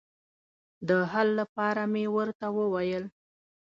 د حل لپاره مې ورته وویل.